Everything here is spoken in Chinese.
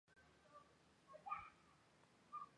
柳田淳一是日本的男性声优。